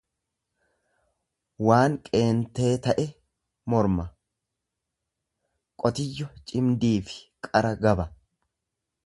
waan qeenteeta'e morma; Qotiyyo cimdiifi qara gaba.